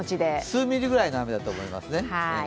数ミリぐらいの雨だと思いますね。